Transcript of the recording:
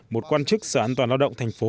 một quan chức sở an toàn lao động thành phố